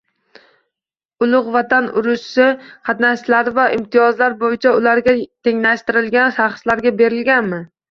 Ulug‘ Vatan urushi qatnashchilari va imtiyozlar bo‘yicha ularga tenglashtirilgan shaxslarga berilganmi?